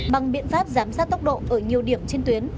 bằng biện pháp giám sát tốc độ ở nhiều điểm trên tuyến